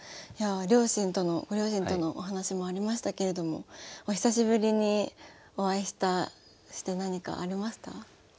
いやあご両親とのお話もありましたけれどもお久しぶりにお会いして何かありました？